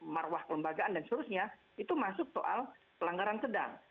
marwah kelembagaan dan seterusnya itu masuk soal pelanggaran sedang